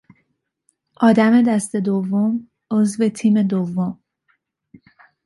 آدم دست دوم، عضو تیم دوم